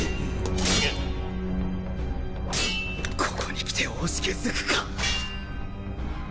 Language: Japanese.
ここに来ておじけづくか。